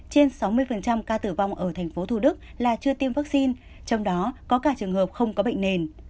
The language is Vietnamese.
trên sáu mươi ca tử vong ở tp thủ đức là chưa tiêm vaccine trong đó có cả trường hợp không có bệnh nền